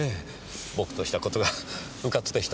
僕とした事がうかつでした。